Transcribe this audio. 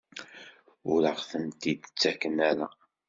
Ur aɣ-tent-id-ttaken ara?